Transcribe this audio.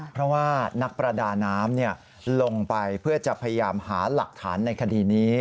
เพราะว่านักประดาน้ำลงไปเพื่อจะพยายามหาหลักฐานในคดีนี้